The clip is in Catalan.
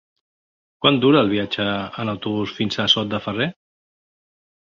Quant dura el viatge en autobús fins a Sot de Ferrer?